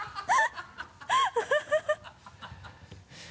ハハハ